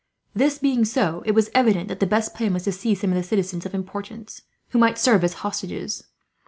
This being so, it was evident that the best plan was to seize some of the citizens of importance, who might serve as hostages.